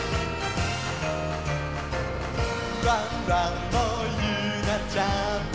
「ワンワンもゆうなちゃんも」